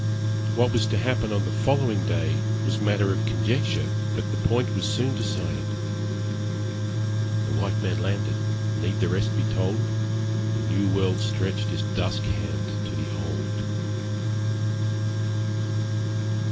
What was to happen on the following day was matter of conjecture, but this point was soon decided. The white man landed; need the rest be told? The new world stretch'd its dusk hand to the old.